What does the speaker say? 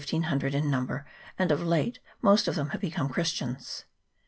They are about 1500 in number, and of late most of them have become Christians.